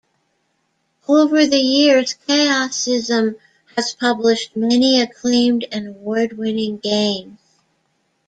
Over the years Chaosium has published many acclaimed and award-winning games.